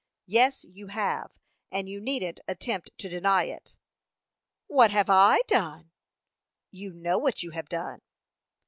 "Yes, you have; and you needn't attempt to deny it." "What have I done?" "You know what you have done."